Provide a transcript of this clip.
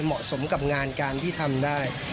เหมาะสมกับงานการที่ทำได้